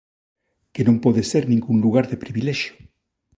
Que non pode ser ningún lugar de privilexio.